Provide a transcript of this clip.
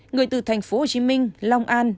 người từ thành phố hồ chí minh long an